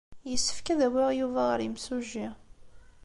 Yessefk ad awiɣ Yuba ɣer yimsujji.